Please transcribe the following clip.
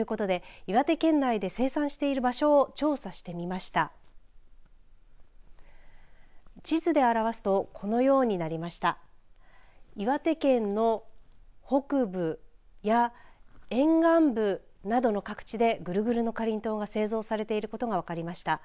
岩手県の北部や沿岸部などの各地でぐるぐるのかりんとうが製造されていることが分かりました。